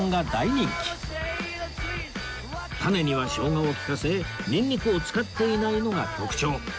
タネには生姜を利かせニンニクを使っていないのが特徴